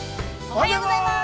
◆おはようございます。